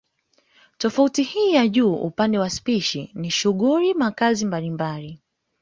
Tofauti hii ya juu upande wa spishi ni shughuli makazi mbalimbali